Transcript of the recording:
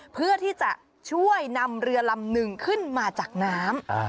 เพื่อที่จะช่วยนำเรือลำหนึ่งขึ้นมาจากน้ำ